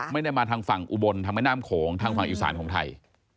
ไม่ได้มาทางฝั่งอุบลทางแม่น้ำโขงทางฝั่งอีสานของไทย